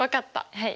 はい。